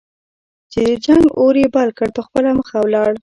چې د جنګ اور یې بل کړ په خپله مخه ولاړ.